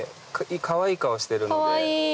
かわいい顔してるんで。